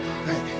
はい。